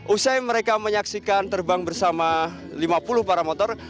usai mereka menyaksikan terbang bersama lima puluh para motor